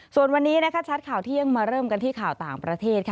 ส่วนวันนี้ชัดข่าวเที่ยงมาเริ่มกันที่ข่าวต่างประเทศค่ะ